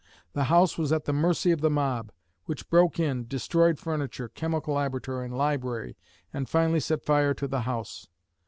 The house was at the mercy of the mob, which broke in, destroyed furniture, chemical laboratory and library, and finally set fire to the house.